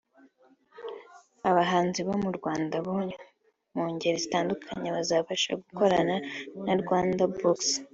abahanzi bo mu Rwanda mu ngeri zitandukanye bazabasha gukorana na Rwandabox